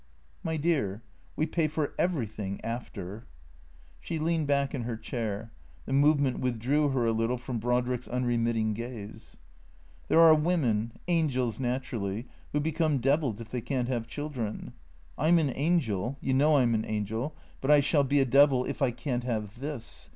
" My dear, we pay for everything — after." She leaned back in her chair. The movement withdrew her a little from Brodrick's unremitting gaze. " There are women — angels naturally — who become devils if they can't have children. I 'm an angel — you know I 'm an angel — but I shall be a devil if I can't have this.